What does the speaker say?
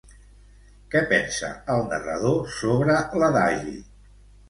Què pensa el narrador sobre l'adagi?